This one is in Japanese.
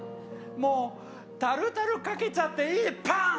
もうタルタルかけちゃっていいパーン！